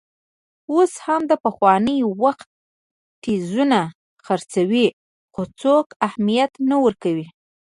اوس هم د پخواني وخت ټیزونه خرڅوي، خو څوک اهمیت نه ورکوي.